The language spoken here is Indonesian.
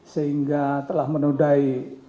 sehingga telah menudai